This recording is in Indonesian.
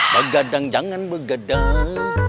begadang jangan begadang